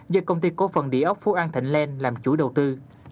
do công ty cố phần địa ốc phú an thịnh len làm chủ đầu tư